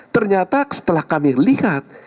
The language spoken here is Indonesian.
ternyata setelah kami lihat